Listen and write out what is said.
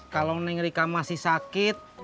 kalau neng rika masih sakit